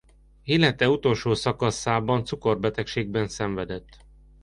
Élete utolsó szakaszában cukorbetegségben szenvedett.